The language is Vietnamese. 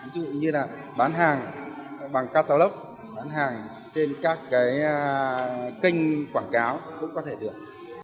ví dụ như là bán hàng bằng catalog bán hàng trên các kênh quảng cáo cũng có thể được